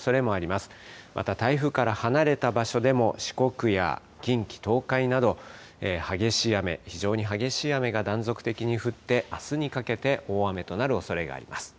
また台風から離れた場所でも四国や近畿、東海など、激しい雨、非常に激しい雨が断続的に降って、あすにかけて大雨となるおそれがあります。